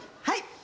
はい。